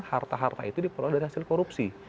harta harta itu diperoleh dari hasil korupsi